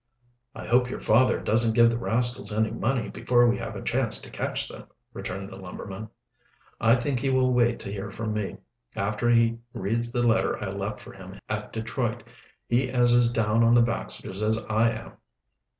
"I hope your father doesn't give the rascals any money before we have a chance to catch them," returned the lumberman. "I think he will wait to hear from me, after he reads the letter I left for him at Detroit. He is as down on the Baxters as I am."